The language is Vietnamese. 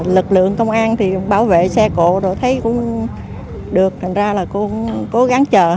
lực lượng công an thì bảo vệ xe cộ rồi thấy cũng được thành ra là cô cũng cố gắng chờ